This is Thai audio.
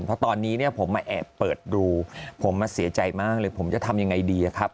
เพราะตอนนี้เนี่ยผมมาแอบเปิดดูผมเสียใจมากเลยผมจะทำยังไงดีครับ